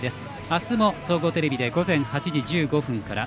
あすも総合テレビで午前８時１５分から。